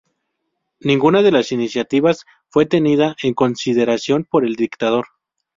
Ninguna de las iniciativas fue tenida en consideración por el dictador.